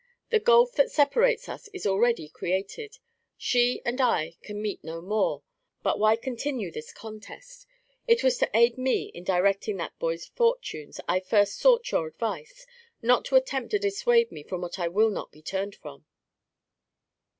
"The gulf that separates us is already created. She and I can meet no more. But why continue this contest? It was to aid me in directing that boy's fortunes I first sought your advice, not to attempt to dissuade me from what I will not be turned from."